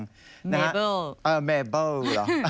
ไม้เปลี่ยนไม้เปลี่ยนเหรอ